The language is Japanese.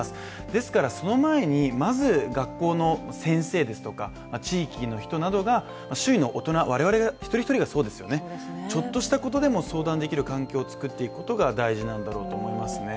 ですからその前に、まず学校の先生ですとか地域の人などが、周囲の大人我々一人一人がそうですよねちょっとしたことでも相談できる環境を作っていくことが大事なんだろうと思いますね。